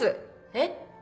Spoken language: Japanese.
えっ？